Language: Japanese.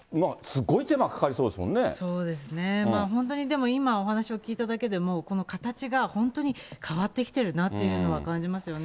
そうですね、本当にでも、今お話を聞いただけでも、この形が本当に変わってきてるなというのは感じますよね。